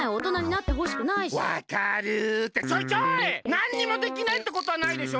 なんにもできないってことはないでしょ！